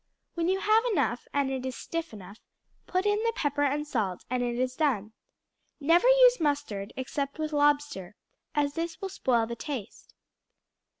When you have enough, and it is stiff enough, put in the pepper and salt and it is done. Never use mustard except with lobster, as this will spoil the taste.